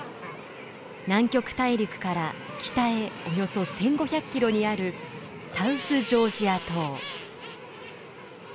南極大陸から北へおよそ１，５００キロにあるサウスジョージア島。